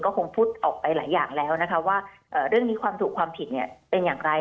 คงพูดออกไปหลายอย่างแล้วนะคะว่าเรื่องนี้ความถูกความผิดเป็นอย่างไร